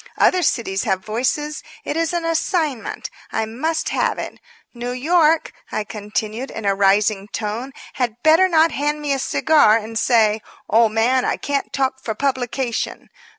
Other cities have voices. It is an assignment. I must have it. New York," I continued, in a rising tone, "had better not hand me a cigar and say: 'Old man, I can't talk for publication.'